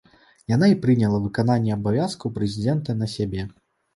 Яна і прыняла выкананне абавязкаў прэзідэнта на сябе.